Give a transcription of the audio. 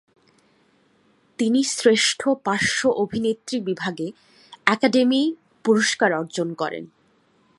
তিনি শ্রেষ্ঠ পার্শ্ব অভিনেত্রী বিভাগে একাডেমি পুরস্কার অর্জন করেন।